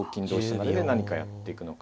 成で何かやっていくのか。